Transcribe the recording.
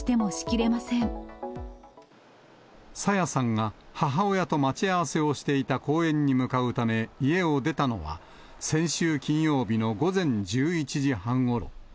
朝芽さんが母親と待ち合わせをしていた公園に向かうため、家を出たのは、先週金曜日の午前１１時半ごろ。